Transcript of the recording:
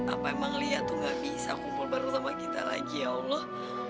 apa emang liat tuh nggak bisa kumpul baru sama kita lagi ya allah